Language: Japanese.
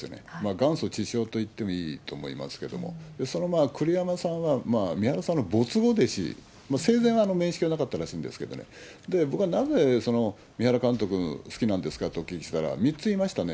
元祖知将といってもいいと思いますけれども、その栗山さんは、みはらさんの没後弟子、生前は面識はなかったらしいんですけれども、僕はなぜみはら監督、好きなんですか？とお聞きしたら、３つ言いましたね。